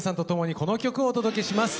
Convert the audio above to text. この曲をお届けします。